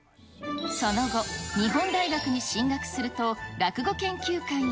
その後、日本大学に進学すると、落語研究会へ。